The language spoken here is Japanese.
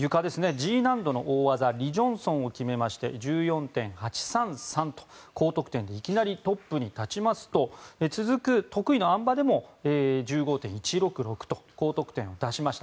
Ｇ難度の大技リ・ジョンソンを決めまして１４．８３３と高得点でいきなりトップに立ちますと続く得意のあん馬でも１５．１６６と高得点を出しました。